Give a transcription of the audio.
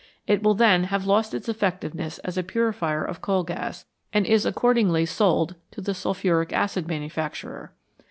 It will then have lost its effectiveness as a purifier of coal gas, and is accordingly sold to the sulphuric acid manufacturer.